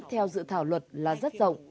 theo dự thảo luật là rất rộng